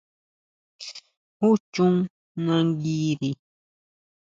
¿Jú chon nanguiri?